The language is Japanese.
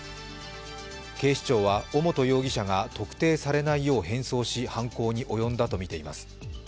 警視庁は尾本容疑者が特定されないよう変装し、犯行に及んだとみています。